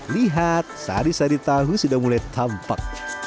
lihat sari sari tahu sudah mulai tampak